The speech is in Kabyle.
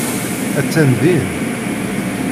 Attan din.